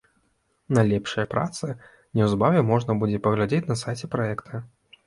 Найлепшыя працы, неўзабаве можна будзе паглядзець на сайце праекта.